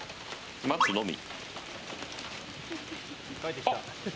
待つのみ。